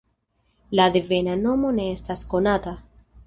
La devena nomo ne estas konata.